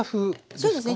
そうですね。